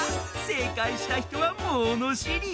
せいかいしたひとはものしり。